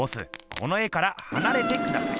この絵からはなれてください。